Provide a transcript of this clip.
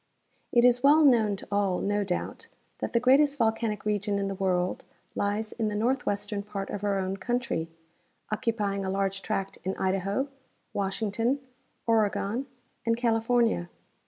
It is well known to all, no doubt, that the greatest volcanic region in the world lies in the northwestern part of our own country, occupying a large tract in Idaho, Washington, Oregon and California.